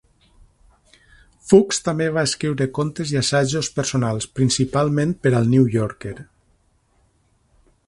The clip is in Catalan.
Fuchs també va escriure contes i assajos personals, principalment per al "New Yorker".